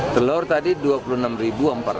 telur tadi rp dua puluh enam empat ratus